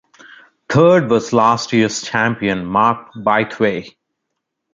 Third was last year's champion Mark Bytheway.